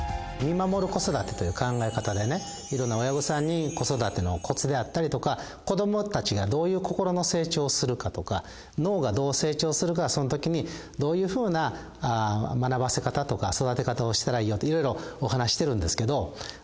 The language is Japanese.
見守る子育てという考え方でねいろんな親御さんに子育てのコツであったりとか子供たちがどういう心の成長をするかとか脳がどう成長するかそのときにどういうふうな学ばせ方とか育て方をしたらいいよって色々お話ししてるんですけど。